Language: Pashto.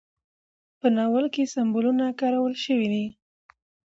په ناول کې سمبولونه کارول شوي دي.